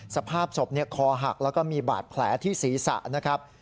สภาพศพคอหักแล้วก็มีบาดแผลที่ศีรษะนะครับ